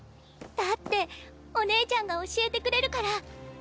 だっておねぇちゃんが教えてくれるから。